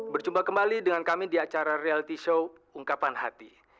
berjumpa kembali dengan kami di acara reality show ungkapan hati